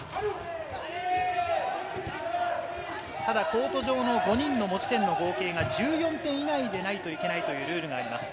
ただ、コート上の５人の持ち点の合計が１４点以内でないといけないというルールがあります。